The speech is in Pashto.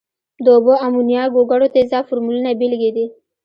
د اوبو، امونیا، ګوګړو تیزاب فورمولونه بیلګې دي.